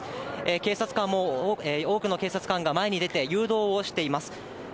警察官も、多くの警察官が前に出て、誘導をしています。